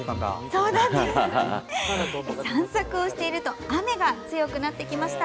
散策をしていると雨が強くなってきました。